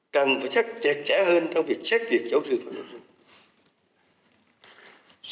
cần phải chặt chẽ hơn trong việc xét duyệt giáo sư phó giáo sư